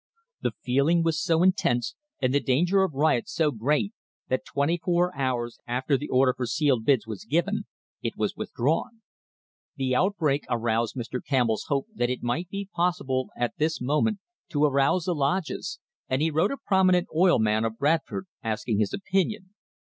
The feeling was so intense, and the danger of riot so great, that twenty four hours after the order for sealed bids was given, it was withdrawn. The outbreak aroused Mr. Campbell's hope that it might be possible at this moment to arouse the lodges, and he wrote a prominent oil man of Brad ford asking his opinion.